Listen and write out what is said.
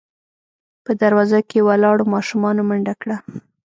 په دروازه کې ولاړو ماشومانو منډه کړه.